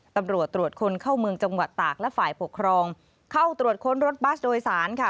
ตำรวจตรวจคนเข้าเมืองจังหวัดตากและฝ่ายปกครองเข้าตรวจค้นรถบัสโดยสารค่ะ